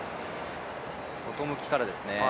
外向きからですね。